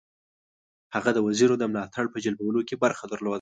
هغه د وزیرو د ملاتړ په جلبولو کې برخه درلوده.